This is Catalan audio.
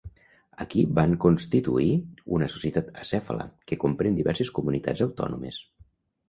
Aquí van constituir una societat acèfala que comprèn diverses comunitats autònomes.